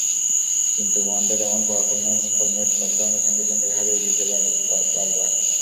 কিন্তু ওয়ানডের এমন performance format পাল্টানোর সঙ্গে সঙ্গেই হারিয়ে গিয়েছে বারবার।